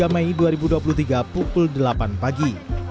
dua puluh mei dua ribu dua puluh tiga pukul delapan pagi